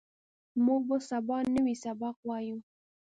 موږ به سبا نوی سبق وایو